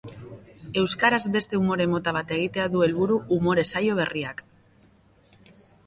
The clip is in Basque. Euskaraz beste umore mota bat egitea du helburu umore saio berriak.